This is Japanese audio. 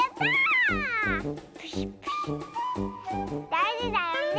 だいじだよね。